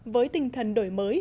với tinh thần đổi mới